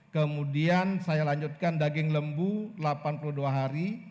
kemudian saya lanjutkan daging lembu delapan puluh dua hari